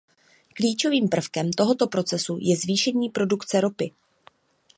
Klíčovým prvkem tohoto procesu je zvýšení produkce ropy.